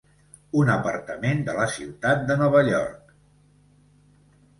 Un apartament de la ciutat de Nova York.